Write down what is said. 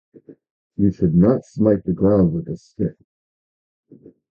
You should not smite the ground with a stick.